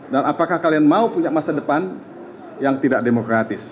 dan apakah kalian mau punya masa depan yang tidak demokratis